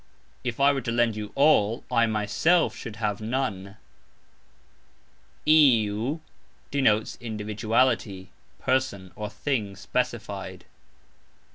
If I were to lend you "all", I myself should have "none". "iu" denotes individuality, person, or thing specified.